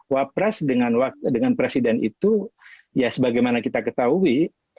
wapres dengan presiden itu ya sebagaimana kita ketahui